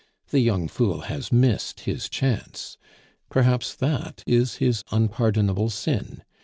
The young fool has missed his chance. Perhaps that is his unpardonable sin.